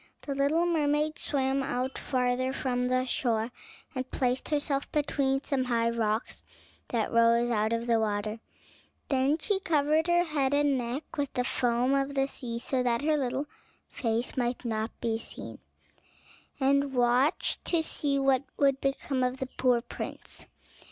The little mermaid swam out farther from the shore and placed herself between some high rocks that rose out of the water; then she covered her head and neck with the foam of the sea so that her little face might not be seen, and watched to see what would become of the poor prince.